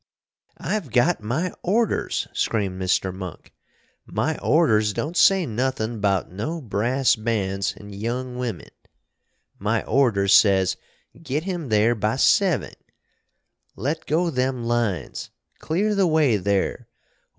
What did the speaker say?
"I've got my orders!" screamed Mr. Monk. "My orders don't say nothin' about no brass bands and young women. My orders says, 'Git him there by seving.' Let go them lines! Clear the way there!